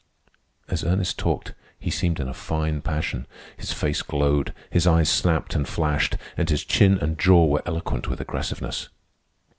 As Ernest talked he seemed in a fine passion; his face glowed, his eyes snapped and flashed, and his chin and jaw were eloquent with aggressiveness.